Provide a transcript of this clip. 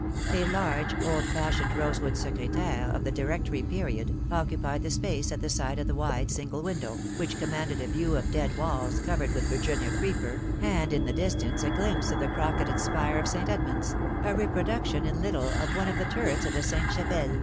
A large, old fashioned rosewood secretaire, of the Directory period, occupied the space at the side of the wide single window, which commanded a view of dead walls covered with Virginia creeper, and in the distance a glimpse of the crocketed spire of St. Edmund's, a reproduction in little of one of the turrets of the Sainte Chapelle.